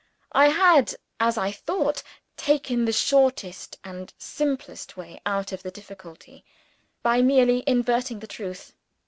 I had, as I thought, taken the shortest and simplest way out of the difficulty, by merely inverting the truth.